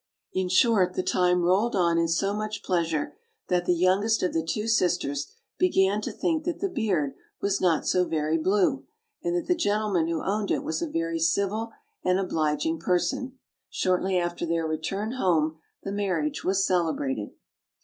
In short, the time rolled on in so much pleasure that the youngest of the two sisters began to think that the beard was not so very blue, and that the gentleman who owned it was a very civil and obliging person. Shortly after their return home the marriage was celebrated.